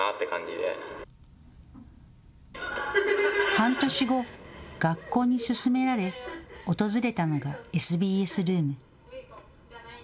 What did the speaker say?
半年後、学校に勧められ訪れたのがＳＢＳルーム。